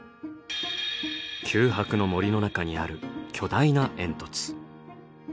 九博の森の中にある巨大な煙突。